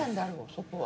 そこは。